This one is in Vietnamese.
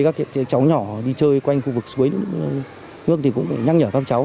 các cháu nhỏ đi chơi quanh khu vực suối nước thì cũng nhắc nhở các cháu